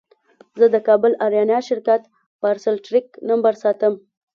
زه د کابل اریانا شرکت پارسل ټرېک نمبر ساتم.